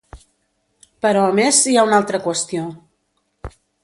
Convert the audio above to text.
Però a més, hi ha una altra qüestió.